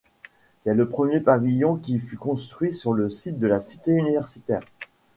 C´est le premier pavillon qui fut construit sur le site de la cité-universitaire.